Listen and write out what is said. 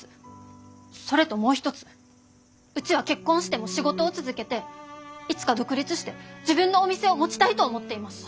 それともう一つうちは結婚しても仕事を続けていつか独立して自分のお店を持ちたいと思っています。